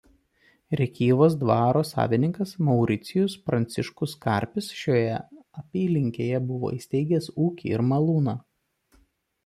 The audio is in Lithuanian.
Rėkyvos dvaro savininkas Mauricijus Pranciškus Karpis šioje apylinkėje buvo įsteigęs ūkį ir malūną.